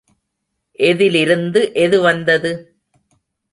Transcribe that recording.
எதிலிருந்து எது வந்தது?